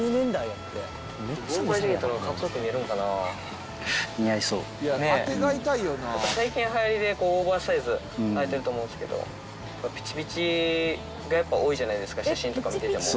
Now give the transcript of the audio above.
やっぱ最近流行りでオーバーサイズ流行ってると思うんですけどピチピチがやっぱ多いじゃないですか写真とか見てても。